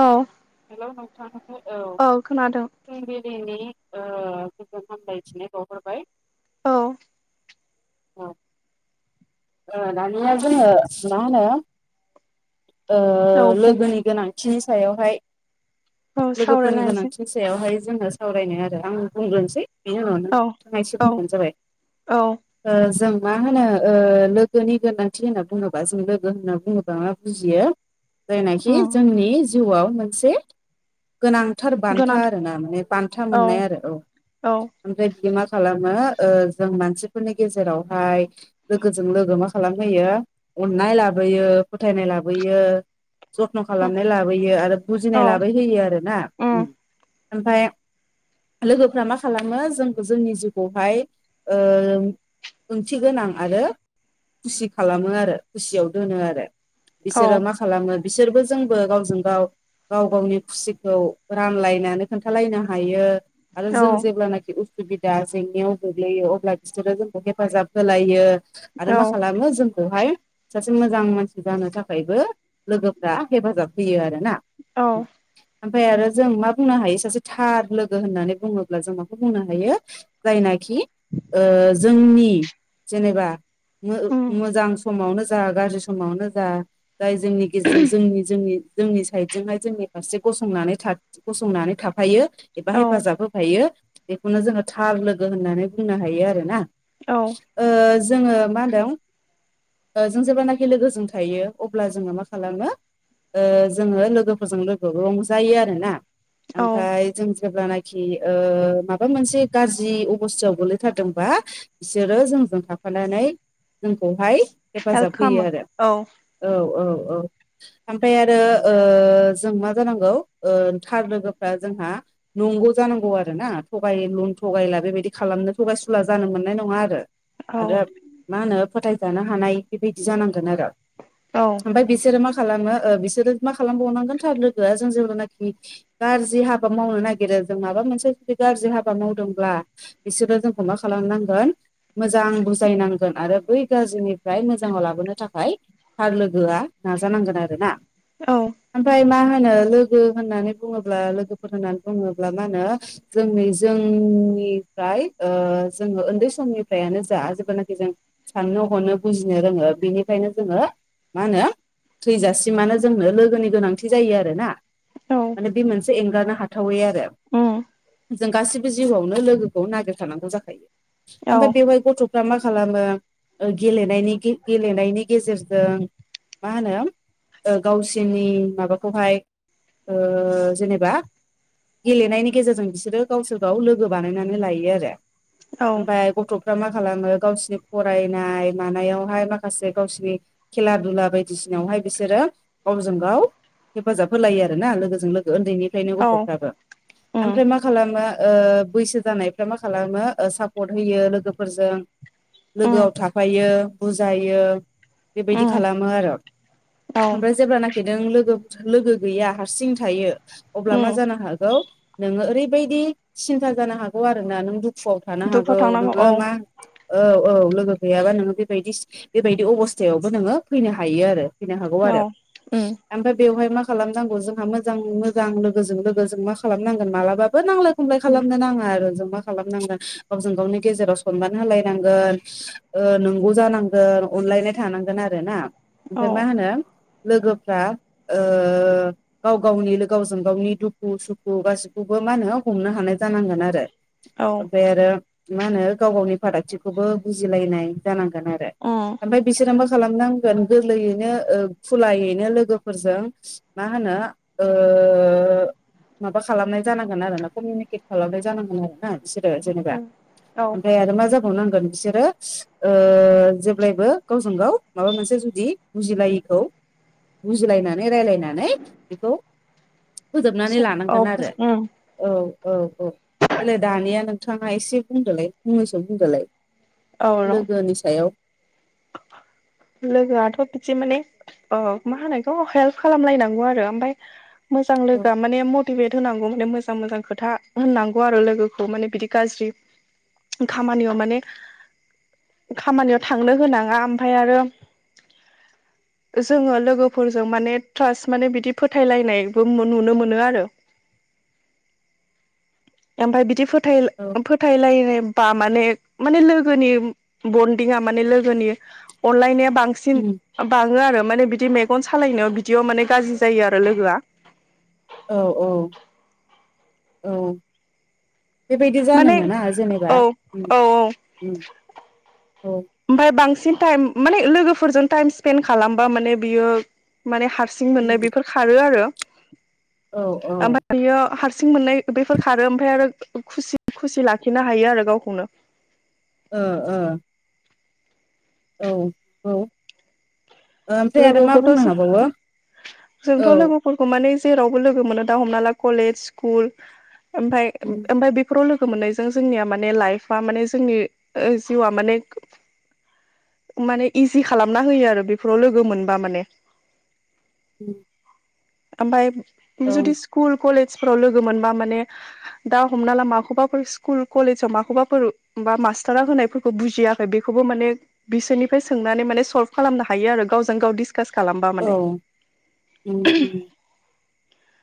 औ हेल' नोंथां औ फुंबिलिनि ओ गोजोन हामलायथिनाय बावहरबाय औ अ औ दानिया जोङो मा होनो ओ लोगोनि गोनांथिनि सायावहाय औ लोगोफोरनि सावरायलायनोसै गोनांथिनि सायावहाय जोङो सावरायनो आरो आं बुंग्रोनोसै बेनि उनाव नों औ नोंथाङा एसे औ बुंबानो जाबाय। औ ओ जों मा होनो ओ लोगोनि गोनांथि होनना बुङोबा जों लोगो होनना बुङोब्ला मा बुजियो जायनाखि उम जोंनि जिउआव मोनसे गोनांथार बान्था गोनां आरो ना माने बान्था मोननाय आरो औ औ ओमफ्राय बिदि मा खालामो ओ जों मानसिफोरनि गेजेरावहाय लोगोजों लोगो मा खालामहोयो अन- नाय लाबोयो फोथायनाय लाबोयो जथ्न' उम खालामनाय लाबोयो आरो बुजिनाय औ लाबोहोयो आरो ना ओमफफ्राय लोगोफ्रा मा खालामो जों जोंनि जिउखौहाय ओ ओंथि गोनां आरो खुसि खालामो आरो खुसियाव दोनो आरो औ बिसोरो मा खालामो बिसोरबो जोंबो गावजों गाव गाव गावनि खुसिखौ रानलायनानै खोन्थालायनो हायो आरो जों औ जेब्लानाखि उसुबिदा जेंनायाव गोग्लैयो अब्ला बिसोरो जोंखौ हेफाजाब होलायो आरो मा खालामो जों खौहाय सासे मोजां मानसि जानो थाखायबो लोगोफ्रा हेफाजाब होयो आरो ना औ ओमफफ्राय आरो जों मा बुंनो हायो सासे थार लोगो होननानै बुङोब्ला जों माखौ बुंनो हायो जायनाखि ओ जोंनि जेनेबा उम मोजां समावनो जा गाज्रि समावनो जा जाय जोंनि गेजेरजों जोंनि जोंनि जोंनि साइड जोंनि फारसें गसंनानै थाफायो एबा औ हेफाजाब होफायो बेखौनो जोङो थार लोगो होननानै बुंनो हायो आरो ना औ जोङो मा होनदों जों जेब्लानाखि लोगोजों थायो अब्ला जोङो मा खालामो ओ जोङो लोगोफोरजों लोगो रंजायो आरोना औ ओमफ्राय जों जेब्ला नाखि ओ माबा मोनसे गाज्रि अबस्थायाव गोलैथारदोंबा बिसोरो जोंजों था- फानानै जोंखौहाय हेल्प हेफाजाब होयो खालामो आरो औ औ औ औ ओमफ्राय आरो ओ जों मा जानांगौ ओ थार लोगोफ्रा जोंहा नंगौ जानांगौ आरोना थगायलु- थगायला बेबायदि खालामनो थगायसुला जानो मोननाय नङा आरो औ आरो मा होनो फोथायजानो हानाय बेबायदि जानांगौ आरो औ ओमफ्राय बिसोरो मा खालामो बिसोरो मा खालामबावनांगोन थार लोगोआ जों जेब्लानखि गाज्रि हाबा मावनो नागिरो जों माबा मोनसे जुदि गाज्रि हाबा मावदों ब्ला बिसोरो जोंखौ मा खालामनांगोन मोजां बुजायनांगोन आरो बै गाज्रिनिफ्राय मोजाङाव लाबोनो थाखाय थार लोगोआ नाजानांगोन आरो ना औ ओमफ्राय मा होनो लोगो होननानै बुङोब्ला लोगोफोर होननानै बुङोब्ला मा होनो जोंनि जोन जोंफ्राय ओ जोङो उन्दै समनिफ्रायानो जा जेब्लनाखि जों साननो ह- नो बुजिनो रोङो बेनिखायनो जोङो मा होनो थैजासिमानो‌ जोंनो लोगोनि गोनांथि जायो आरोना औ माने बे मोनसे एंगारनो हाथावै आरो उम जों गासिबो जिउआवनो लोगोखौ नागिर खानांगौ जाखायो औ ओमफ्राय बेवहाय गथ'फ्रा मा खालाम मो गेले गेलेनायनि गेजेरजों मा होनो ओ गावसोरनि माबाखौहाय ओ जेनेबा गेलेनायनि गेजेरजों बिसोरो गावसोर गाव लोगो बानायनानै लायो आरो। औ ओमफफ्राय गथ'फ्रा मा खालामो गावसिोरनि फरायनाय मानायावहाय माखासे गावसिनि खेला दुला बायदिसिनावहाय ओमफाय बिसोरो गावजों गाव हेफाजाब होलायो आरोना लोगोजों लोगो उन्दैनिफ्रायनो औ गथ'फ्राबो उम ओमफ्राय मा खालामो बैसो जानायफ्रा मा खालामो सापर्ट होयो लोगोफोरजों उम लोगोआव थाफायो बुजायो बेबायदि उम खालामो आरो औ ओमफ्राय जेब्ल नाखि नों लोगो लोगो गैया हारसिं थायो अब्ला मा उम जानो हागौ नोङो ओरैबायदि सिन्था जानो हागौ आरो ना नों दुखु वाव थानो हागौ दुखुआव थांनांगौ नोङो औ मा औ औ लोगो गैयाबा नोङो बेबायदि बेबायदि अबस्थायावबो नोङो फैनो हायो आरो फैनो हागौ औ आरो उम ओमफफ्राय बेवहाय मा खालामनांगौ जोंहा मोजां मोजां लोगोजों लोगोजों मा खालामनांगोन मालाबाबो नांलाय खमलाय खालामनो नाङा आरो जोंमा खालामनांगोन गावजों गावनि गेजेराव सनमान होलायनांगोन नंगौ जानांगोन अनलायनाय थानांगोन आरो ना औ ओमफ्राय मा होनो लोगोफ्रा गाव गावनि गावजों गावनि दुखु सुखु गासिखौबो मा होनो हमनो हानाय जानांगोन आरो औ ओमफ्राय आरो मा होनो गाव गावनि फारागथिखौबो बुजिलायनाय जानांगोन जानांगोन आरो उम ओमफाय बिसोरो मा खालामनांगोन गोरलैयैनो खुलायैनो लोगोफोर फोरजों मा होनो माबा खालामनाय जानांगोन आरो ना कमिनिकेट खालामनाय जानांगोन आरो ना बिसोरो जेनेबा उम औ ओमफ्राय आरो मा जाबाय नांगोन बिसोरो जेब्लायबो गावजों गाव माबा मोनसे जुदि बुजिलायैखौ बुजिलायनानै रायलायनानै बेखौ फोजोबनानै औ लानांगोन आरो उम औ औ औ बेेलाय दानिया नोंथाङा एसे बुंदोलाय फंनैसो बुंदोलाय औ र' लोगोनि सायाव लोगोआथ' बिदि माने मा होनायखौ हेल्प खालामलायनांगौ आरो ओमफ्राय मोजां औ लोगो मानेया माने मटिभेट होनांगौ माने मोजां मोजां खोथा होननांगौ आरो लोगोखौ माने बिदि गाज्रि खामानियाव माने खामानियाव थांनो होनाङा ओमफ्राय आरो [unintelligible] जोङो लोगोफोरजों माने ट्रासट माने बिदि फोथायलायनायबो नुनो मोनो आरो [unintelligible] ओमफाय बिदि फोथाय औ फोथायलायनाय बा माने माने लोगोनि बनदिं आ माने लोगोनि अनलायनाय बांसिन उम बाङो आरो माने बिदि मेगन सालायनायाव बिदियाव माने गाज्रि जायो आरो लोगोआ औ औ औ बेबायदि जानो माने मोना जेनेबा औ औ औ ओमफाय बांसिन टाइम माने लोगोफोरजों टाइम स्पेन्ड खालामबा माने बियो माने हारसि हारसिं उम मोननो बेफोर खारो आरो औ औ ओमफ्राय बियो हारसिं हारसिं मोननाय बेफोर खारो ओमफ्राय आरो खुसि लाखिनो हायो आरो गावखौनो ओ ओ औ औ ओमफ्राय आरो मा बुंनो हाबावो लोगोखौथ' जोंथ' औ लोगोफोरखौ माने जेरावबो लोगो मोनो दा हमना ला कलेज स्कुल ओमफाय उम ओमफाय बेफोराव लोगो लोगो मोननायजों जोंनिया माने लाइफआ माने जोंनि जिउआ माने माने इजि खालामना होयो आरो बेफोराव लोगो मोनबा माने उम ओमफाय औ जुदि स्कुल कलेज फोराव लोगो मोनबा माने दा हमना ला माखौबाफोर स्कुल कलेजाव माखौबाफोर बा मासतारा होनायफोरखौ बुजियाखै बेखौबो माने बिसोरनिफ्राय सोंनानै माने सल्भ खालामनो हा हायो आरो गावजों गाव डिसकास खालामबा माने औ उम उम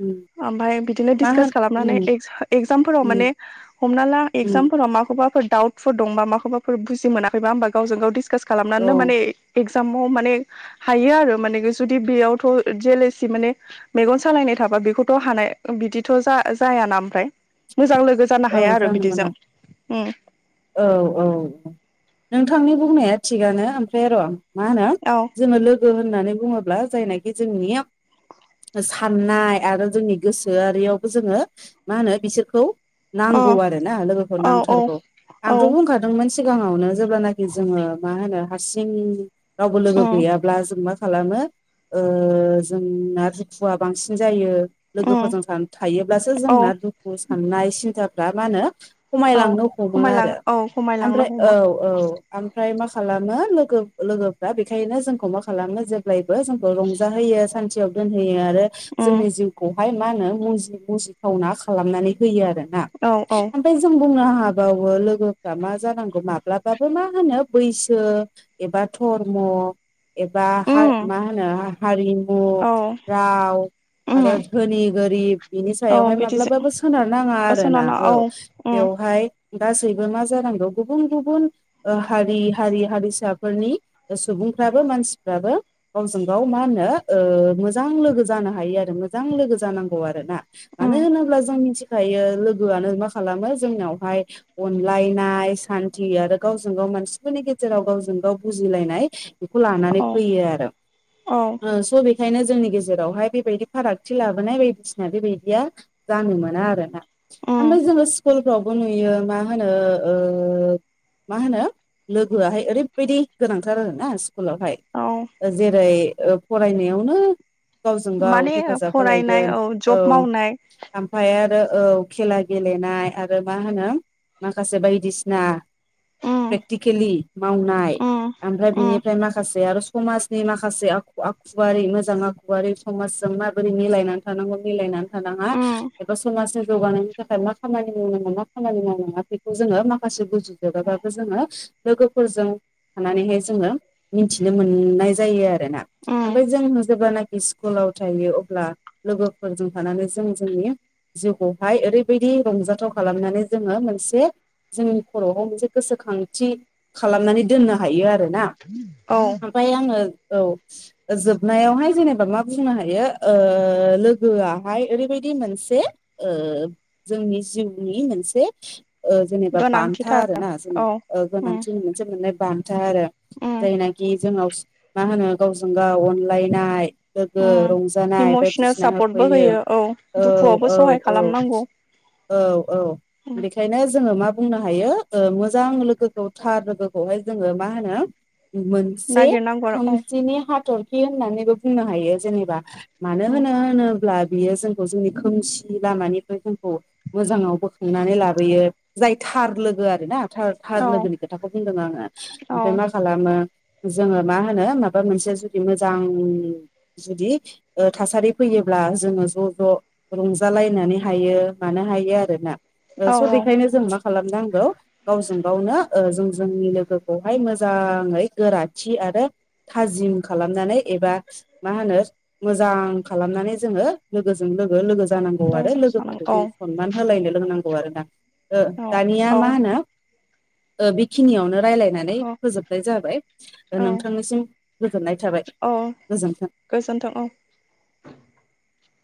उम ओमफाय बिदिनो मा डिसकास होन उम खालामनानै एक्जामफोराव उम माने हमना ला उम एक्जामफोराव माखौबाफोर डाउटफोर दंबा माखौबाफोर बुजि मोनाखैबा होनबा गावजों गाव डिसकास औ खालामनानैनो माने जामाव माने हायो आरो माने जुदि बेयावथ' जेलेसि माने मेगन सालायनाय थाबा बेखौ हानाय बिदिथ' जा-जायाना ओमफ्राय मोजां लोगो जानो औ हाया आरो जानो बिदिजों मोना ओ औ औ नोंथांनि बुंनाया थिगानो ओमफ्राय र' मा होनो औ जोङो लोग गो होननानै बुङोब्ला जायनाखि जोंनिया साननाय आरो जोंनि गोसोआरियावबो जोङो मा होनो बिसोरखौ अ नांगौ आरो ना लोगोफोर औ औ नांथारगौ औ आंथ' बुंखादोंमोन सिगाङावनो जेब्लानाखि जोङो मा होनो हारसिं रावबो लोगो उम गैयाब्ला जों मा खालामो ओ जोंना दुखुआ बांसिन जायो उम लोगोफोरजों थायोब्लासो औ जोंना दुखु साननाय सिन्थाफ्रा मा होनो औ खमायलांनो हमो खमायलां आरो औ खमायलांनो ओमफ्राय औ हमो औ ओमफ्राय मा खालामो लोगो लोगोफ्रा बेखायनो जोंखौ मा खालामो जेब्लायबो जोंखौ रंजाहोयो सानथियाव दोनहैयो आरो आरो उम जोंनि जिउखौहाय मा होनो मुजि मुजिथावना खालामनानै होयो आरो औ औ ओमफाय जों बुंनो हा हाबावो लोगोफ्रा मा जानांगौ माब्लाबाबो मा होनो बैसो एबा धर्म एबा उम मा होनो हारिमु औ राव आरो उम धोनि गोरिब बिनि औ सायावहाय बिदिजों माब्लाबाबो सोनारनाङा आरोना औ उम बेवहाय गासैबो मा जानांगौ गुबुन गुबुन ओ हारि हारि हारिसाफोरनि सुबुं फ्राबो मानसिफ्राबो गावजों गाव मा होनो ओ मोजां लोगो जानो हायो आरो मोजां लोगो लोगो जानांगौ आरो ना मानो उम होनोब्ला जों मिथिखायो लो गोआनो मा खालामो जोंनावहाय अनलायनाय सान्थि आरो गावजों गाव मानसिफोरनि गे जेराव गावजों गाव बुजिलायनाय बेखौ लानानै औ फैयो आरो औ स' बेखायनो जोंनि गेजेरावहाय बेबायदि फारागथि लाबोनाय बायदिसिना बेबायदिया जानो मोना आरोना उम ओमफाय जोङो स्कुलफ्रावबो नुयो मा होनो ओ मा होनो लोगोआहाय ओरैबायदि गोनांथार आरोना स्कुलावहाय औ जेरै ओ फरायनायावनो गावजों गाव माने हेफाजाब फरायनाय होलायगोन औ जब मावनाय आमफ्राय आरो औ खेला गेलेनाय आरो मा होनो माखासे बायदिसिना उम प्रेक्टिकेलि मावनाय उम ओमफ्राय उम बिनिफ्राय माखासे आरो समाजनि माखासे आखु आखुआरि मोजां आखुआरि समाजजों माबोरै मिलायनानै थानांगौ मिलायनानै थानाङा उम एबा समाजजों जौगानायनि थाखाय मा खामानि मावनांगौ मा खामानि मावनाङा बेखौ जोङो माखासे बुजिजोबाबाबो जोङो लोगोफोरजों थानानैहाय जोङो मिनथिनो मोननाय जायो आ रोना उम ओमफाय जों जेब्लाना खि स्कुलाव थायो अब्ला लोगोफोरजों थानानै जों जोंनि जिउखौ हाय ओरैबायदि रंजाथाव खालामनानै जोङो मोनसे जोंनि खर'आव मोनसे गोसोखांथि खालामनानै दोननो हायो आरोना। औ ओमफाय आङो औ जोबनायावहाय जेनेबा मा बुंनो हायो ओ लोगोआहाय ओरैबायदि मोनसे ओ जोंनि जिउनि मोनसे ओ जेनेबा बान्था गोनांथिथार आरोना जेने औ ओ उम गोनांथिनि मोनसे मोननाय बान था आरो उम जायनाखि जोंनाव मा होनो गावजों गाव अन लायनाय लोगो उम रंजानाय इमसनेल बायदिसिना सापर्टबो होफैयो होयो औ दुखुआवबो सहाय औ। औ खालामनांगौ औ औ उम बेखायनो जोङो मा बुंनो हायो ओ मोजां लोगोखौ थार लोगोखौहाय जोङो मा होनो मोनसे नागिरनांगौ आरो औ खोमसिनि हाथरखि होननानैबो बुंनो हायो जेनेबा मानो उम होनो होनोब्ला बियो जोंखौ जोंनि खोमसि लामानिफ्राय जोंखौ मोजाङाव बोखांनानै लाबोयो जाय थार लोगो आरोना थार थार औ लोगोनि खोथाखौ बुंदों आङो औ ओमफ्राय मा खालामो जोङो मा होनो माबा मोनसे जुदि मोजां जुदि ओ थासारि फैयोब्ला आ जोङो ज' ज' रंजालायनानै हायो मानो हायो आरोना। ओ औ स' औ बेखायनो जों मा खालामनांगौ गावजों गावनो ओ जों जोंनि लोगोखौहाय मोजाङै गोराथि आरो थाजिम खालामनानै एबा मा होनो मोजां खालामनानै जोङो लोगोजों लोगोजों लोगो जा नांगौ दा आरो लोगोफोरखौ जाबस्रानांगौ जों सनमान होलायनो लोंनांगौ आरोना ओ औ दानिया औ मा होनो ओ बिखिनियावनो रायलायनानै फोजोबनाय जाबाय औ नोंथांनिसिम गोजोननाय थाबाय गोजोन्थों गोजोनथों औ। [inaudible]